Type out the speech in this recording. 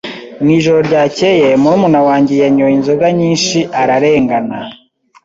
Mu ijoro ryakeye, murumuna wanjye yanyoye inzoga nyinshi ararengana.